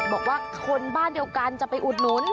บอกว่าคนบ้านเดียวกันจะไปอุดหนุน